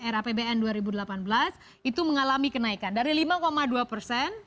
rapbn dua ribu delapan belas itu mengalami kenaikan dari lima dua persen